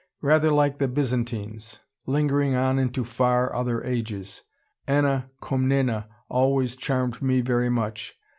Rather like the Byzantines lingering on into far other ages. Anna Comnena always charmed me very much.